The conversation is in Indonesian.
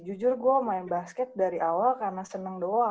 jujur gue main basket dari awal karena seneng doang